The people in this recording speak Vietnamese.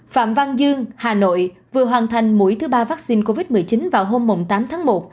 phạm văn dương hà nội vừa hoàn thành mũi thứ ba vaccine covid một mươi chín vào hôm tám tháng một